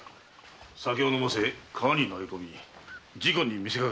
酒を飲ませ川に投げ込み事故に見せかけたのだ。